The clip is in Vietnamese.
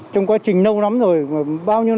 trong quá trình lâu lắm rồi bao nhiêu năm